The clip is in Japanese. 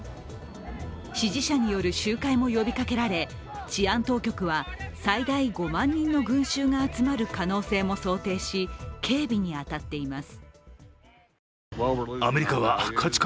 支持者による集会も呼びかけられ治安当局は、最大５万人の群衆が集まる可能性も想定し、警備に当たっています。